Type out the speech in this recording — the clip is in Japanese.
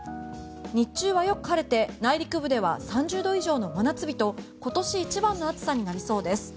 日中はよく晴れて内陸部は３０度以上の夏日など今年一番の暑さになりそうです。